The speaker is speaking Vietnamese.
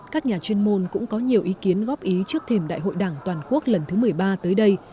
các nhà chuyên môn cũng có nhiều ý kiến góp ý trước thềm đại hội đảng toàn quốc lần thứ một mươi ba tới đây